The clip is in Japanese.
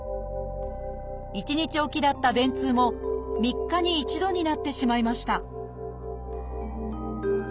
１日置きだった便通も３日に一度になってしまいました